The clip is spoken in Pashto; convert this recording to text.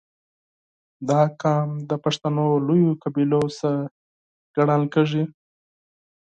• دا قوم د پښتنو لویو قبیلو څخه ګڼل کېږي.